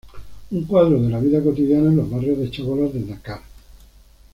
Un cuadro de la vida cotidiana en los barrios de chabolas de Dakar.